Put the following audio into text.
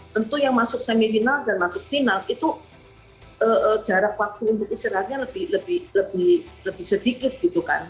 tentu yang masuk semifinal dan masuk final itu jarak waktu untuk istirahatnya lebih sedikit gitu kan